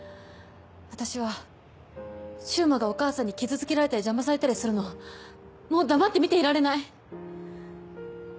私は柊磨がお母さんに傷つけられたり邪魔されたりするのをもう黙って見ていられない。